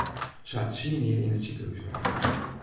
Se hat tsien jier yn it sikehús wurke.